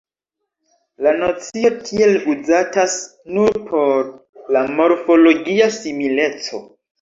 La nocio tiel uzatas nur por la morfologia simileco.